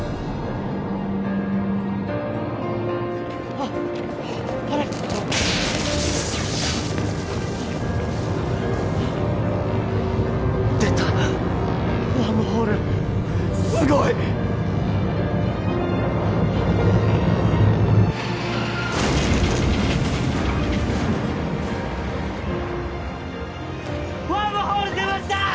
・ああれ出たワームホールすごい！ワームホール出ました！